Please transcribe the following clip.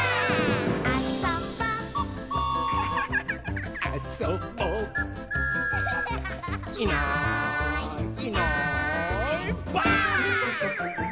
「あそぼ」「あそぼ」「いないいないばあっ！」